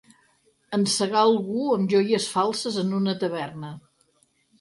Encegar algú amb joies falses en una taverna.